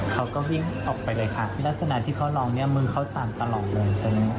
เขาก็วิ่งออกไปเลยค่ะลักษณะที่เขาลองเนี่ยมือเขาสั่นตลอดเลย